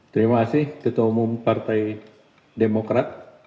terima kasih ketua umum partai demokrat